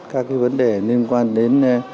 các vấn đề liên quan đến